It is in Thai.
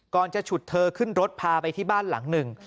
จะฉุดเธอขึ้นรถพาไปที่บ้านหลังหนึ่ง